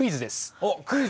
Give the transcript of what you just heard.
おっクイズ？